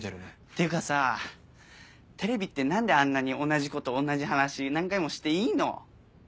ていうかさぁテレビって何であんなに同じこと同じ話何回もしていいの？